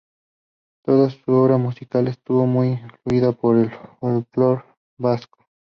Toda su obra musical estuvo muy influida por el folklore vasco.